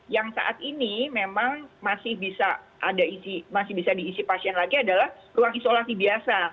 yang saat ini memang masih bisa diisi pasien lagi adalah ruang isolasi biasa